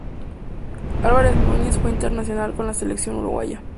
Álvaro Núñez fue internacional con la selección uruguaya.